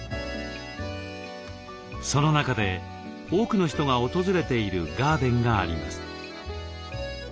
その中で多くの人が訪れているガーデンがあります。